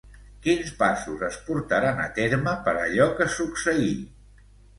Quins passos es portaran a terme per allò que succeí?